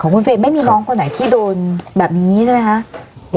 คุณเฟรมไม่มีน้องคนไหนที่โดนแบบนี้ใช่ไหมคะ